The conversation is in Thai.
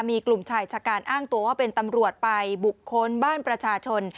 มีกลุ่มชายชะการอ้างตัวว่าเป็นตำรวจไปบุคคลบ้านประชาชน